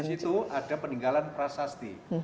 di situ ada peninggalan prasasti